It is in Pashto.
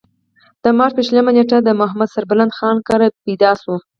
د مارچ پۀ شلمه نېټه د محمد سربلند خان کره پېدا شو ۔